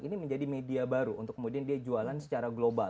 ini menjadi media baru untuk kemudian dia jualan secara global